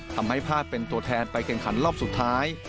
ทำให้พลาดเป็นตัวแทนไปแข่งขันรอบสุดท้าย